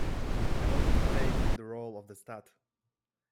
I wanted to take on the role of the stud.